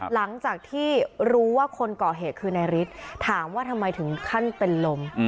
หลังจากที่รู้ว่าคนก่อเหตุคือนายฤทธิ์ถามว่าทำไมถึงขั้นเป็นลม